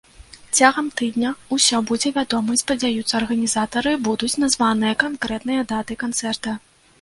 Цягам тыдня ўсё будзе вядома і, спадзяюцца арганізатары, будуць названыя канкрэтныя даты канцэрта.